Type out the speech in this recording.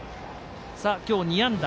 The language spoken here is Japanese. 今日２安打。